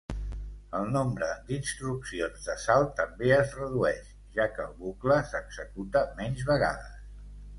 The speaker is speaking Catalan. El nombre d'instruccions de salt també es redueix, ja que el bucle s'executa menys vegades.